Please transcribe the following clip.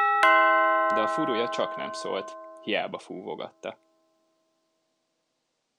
De a furulya csak nem szólt, hiába fúvogatta.